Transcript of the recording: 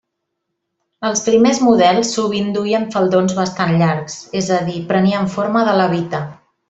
Els primers models sovint duien faldons bastant llargs, és a dir, prenien forma de levita.